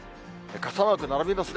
傘マーク並びますね。